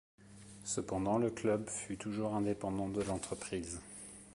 Cependant, le club fut toujours indépendant de l’entreprise.